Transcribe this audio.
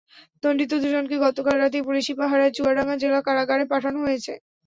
দণ্ডিত দুজনকে গতকাল রাতেই পুলিশি পাহারায় চুয়াডাঙ্গা জেলা কারাগারে পাঠানো হয়েছে।